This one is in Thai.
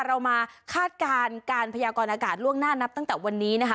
เรามาคาดการณ์การพยากรณากาศล่วงหน้านับตั้งแต่วันนี้นะคะ